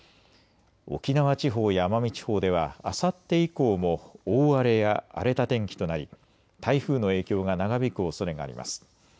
沖縄地方や奄美地方ではあさって以降も大荒れや荒れた天気となり台風の影響が長引くおそれがあります。